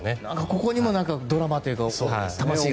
ここにもドラマというか魂が。